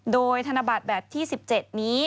โดยธนบัตรแบบที่๑๗นี้